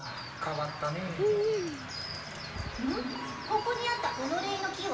ここにあったホノレイの木は？